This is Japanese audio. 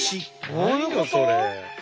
何よそれ。